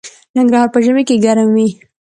ننګرهار په ژمي کې ګرم وي